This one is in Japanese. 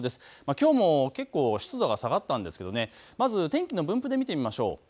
きょうも湿度が下がったんですが、まず天気の分布で見ていきましょう。